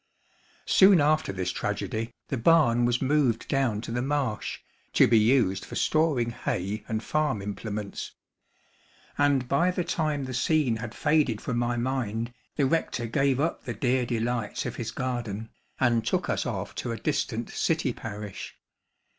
Soon after this tragedy, the barn was moved down to the marsh, to be used for storing hay and farm implements. And by the time the scene had faded from my mind, the rector gave up the dear delights of his garden, and took us off to a distant city parish.